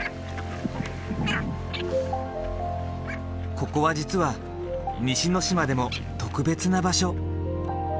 ここは実は西之島でも特別な場所。